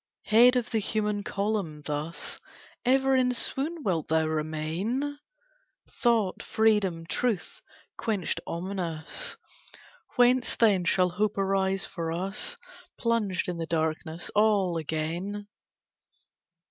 Head of the human column, thus Ever in swoon wilt thou remain? Thought, Freedom, Truth, quenched ominous, Whence then shall Hope arise for us, Plunged in the darkness all again!